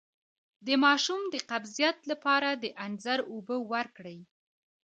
د ماشوم د قبضیت لپاره د انځر اوبه ورکړئ